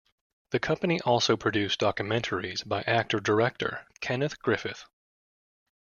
The company also produced documentaries by actor-director Kenneth Griffith.